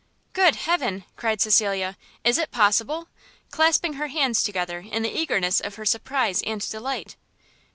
"Good Heaven!" cried Cecilia, "is it possible!" clasping her hands together in the eagerness of her surprise and delight.